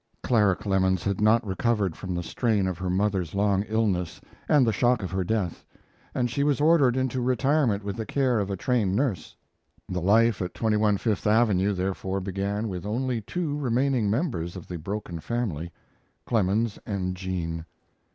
Clara Clemens had not recovered from the strain of her mother's long illness and the shock of her death, and she was ordered into retirement with the care of a trained nurse. The life at 21 Fifth Avenue, therefore, began with only two remaining members of the broken family Clemens and Jean.